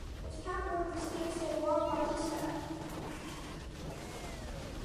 Its capital is the city of San Juan Bautista.